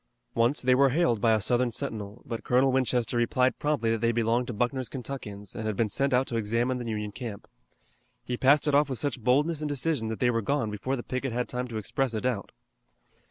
Once they were hailed by a Southern sentinel, but Colonel Winchester replied promptly that they belonged to Buckner's Kentuckians and had been sent out to examine the Union camp. He passed it off with such boldness and decision that they were gone before the picket had time to express a doubt.